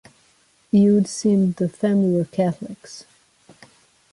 It would seem the family were Catholics.